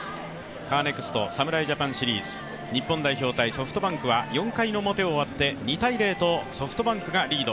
カーネクスト侍ジャパンシリーズ日本代表×ソフトバンクは４回表を終わって２−０とソフトバンクがリード。